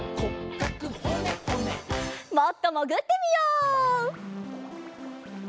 もっともぐってみよう！